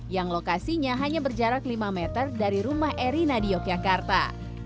yang lokasinya hanya berjarak lima meter dari rumah erina di yogyakarta